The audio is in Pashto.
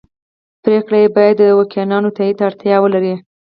پرېکړې یې باید د دوکیانو تایید ته اړتیا ولري